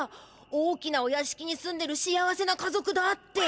大きなおやしきにすんでる幸せな家族だって。